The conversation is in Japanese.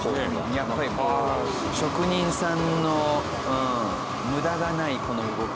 やっぱり職人さんの無駄がないこの動きが。